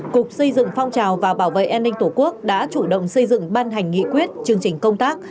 cục xây dựng phong trào và bảo vệ an ninh tổ quốc đã chủ động xây dựng ban hành nghị quyết chương trình công tác